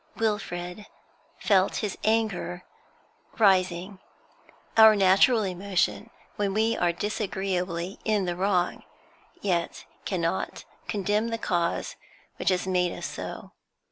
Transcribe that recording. Wilfrid felt his anger rising our natural emotion when we are disagreeably in the wrong, yet cannot condemn the cause which has made us so.